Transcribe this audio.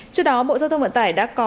trước đó bộ giao thông vận tải đã có